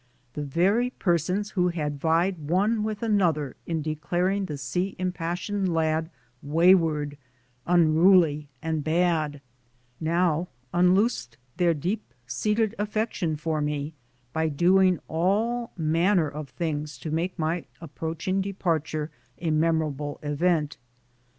The very persons who had vied one with another in declaring the sea impas sioned lad wayward, unruly and bad, now unloosed their deep seated affection for me by doing all man ner of things to make my approaching departure 54 THE SOUL OF AN IMMIGRANT a memorable event.